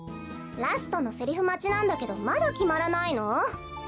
ラストのセリフまちなんだけどまだきまらないの？